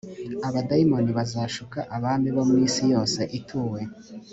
abadayimoni bazashuka abami bo mu isi yose ituwe